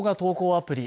アプリ